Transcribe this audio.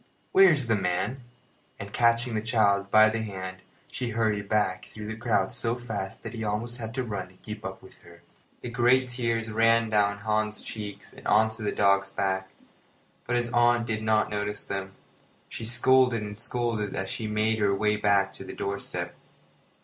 Where is the man?" And, catching the child by the hand, she hurried back through the crowd so fast that he almost had to run to keep up with her. The great tears ran down Hans's cheeks and on to the dog's back, but his aunt did not notice them. She scolded and scolded as she made her way back to the doorstep.